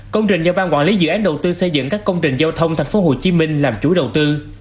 công trình do ban quản lý dự án đầu tư xây dựng các công trình giao thông tp hcm làm chủ đầu tư